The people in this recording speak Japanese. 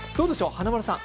華丸さん。